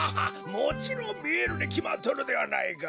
もちろんみえるにきまっとるではないか。